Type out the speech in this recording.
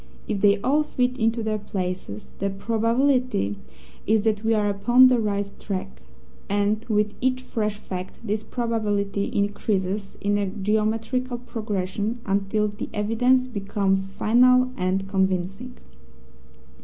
If they all fit into their places, the probability is that we are upon the right track, and with each fresh fact this probability increases in a geometrical progression until the evidence becomes final and convincing.